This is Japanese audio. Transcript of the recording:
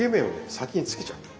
先につけちゃう。